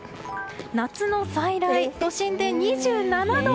夏の再来、都心で２７度。